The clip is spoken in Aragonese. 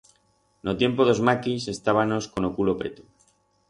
En o tiempo d'os maquis estábanos con o culo preto.